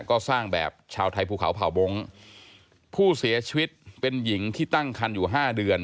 ก็สร้างแบบชาวไทยภูเขาเผ่าบ้งผู้เสียชีวิตเป็นหญิงที่ตั้งคันอยู่ห้าเดือน